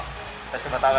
kita coba taruh